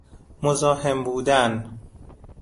مزاحم بودن